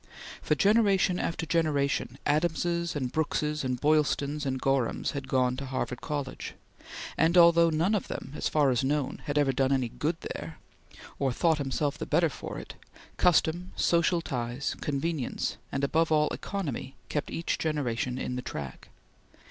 For generation after generation, Adamses and Brookses and Boylstons and Gorhams had gone to Harvard College, and although none of them, as far as known, had ever done any good there, or thought himself the better for it, custom, social ties, convenience, and, above all, economy, kept each generation in the track.